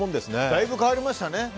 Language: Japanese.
だいぶ変わりましたね。